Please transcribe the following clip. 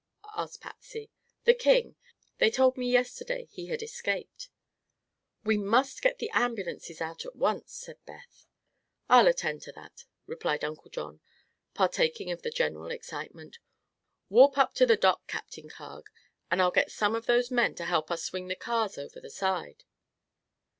asked Patsy. "The king. They told me yesterday he had escaped." "We must get the ambulances out at once," said Beth. "I'll attend to that," replied Uncle John, partaking of the general excitement. "Warp up to the dock, Captain Carg, and I'll get some of those men to help us swing the cars over the side."